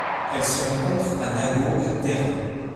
Elle se rencontre à Nago à Taira.